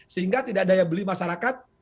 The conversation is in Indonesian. sehingga tidak ada yang beli masyarakat